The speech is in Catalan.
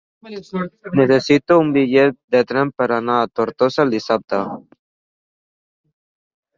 Necessito un bitllet de tren per anar a Tortosa dissabte.